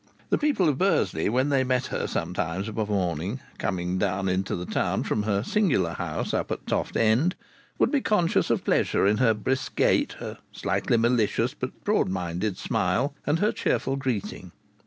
The people of Bursley, when they met her sometimes of a morning coming down into the town from her singular house up at Toft End, would be conscious of pleasure in her brisk gait, her slightly malicious but broad minded smile, and her cheerful greeting.